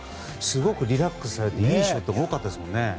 すごくリラックスされていいショットも多かったですね。